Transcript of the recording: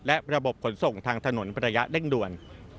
และระบบขนส่งทางถนนประยะเร่งด่วน